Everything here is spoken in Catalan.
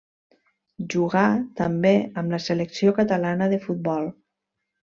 Jugà també amb la selecció catalana de futbol.